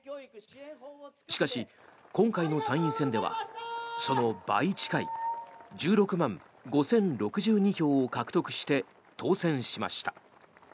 しかし、今回の参院選ではその倍近い１６万５０６２票を獲得して当選しました。